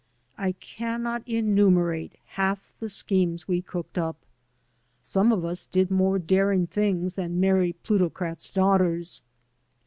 I cannot enumerate half the schemes we cooked up. Some of us did more daring things than marry pluto crats' daughters.